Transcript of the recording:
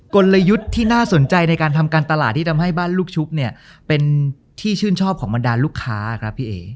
กลยุทธ์ที่น่าสนใจในการทำการตลาดที่ทำให้บ้านลูกชุบเนี่ยเป็นที่ชื่นชอบของบรรดาลูกค้าครับพี่เอ๋